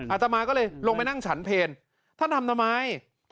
อาตมาก็เลยลงไปนั่งฉันเพลท่านทำทำไม